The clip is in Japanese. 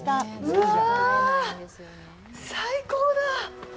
うわあ、最高だ。